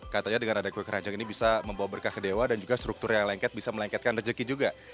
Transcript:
katanya dengan ada kue keranjang ini bisa membawa berkah ke dewa dan juga struktur yang lengket bisa melengketkan rezeki juga